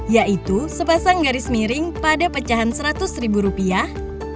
yaitu sepasang garis miring pada pecahan seratus ribu rupiah